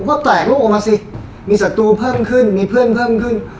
ก็แปลกลูกออกมาสิมีศัตรูเพิ่มขึ้นมีเพื่อนเพิ่มขึ้น